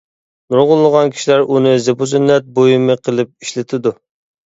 نۇرغۇنلىغان كىشىلەر ئۇنى زىبۇ-زىننەت بۇيۇمى قىلىپ ئىشلىتىدۇ.